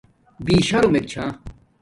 بشرمک چھݳ